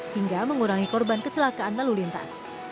hingga mengurangi korban kecelakaan lalu lintas